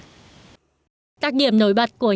tác điểm nổi bật của những ngôi nhà có kiến trúc khá độc đáo